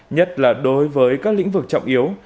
nhất là đối với các lĩnh vực trọng yếu